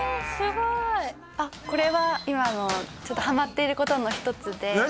あっこれは今のちょっとハマっていることの一つで何？